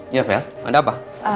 iya vel ada apa